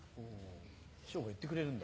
師匠が言ってくれるんだ。